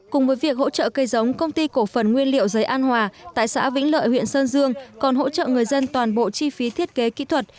cùng với việc hỗ trợ cây giống công ty cổ phần nguyên liệu giấy an hòa tại xã vĩnh lợi huyện sơn dương còn hỗ trợ người dân toàn bộ chi phí thiết kế kỹ thuật